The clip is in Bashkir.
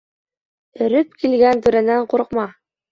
Өрөп килгән түрәнән ҡурҡма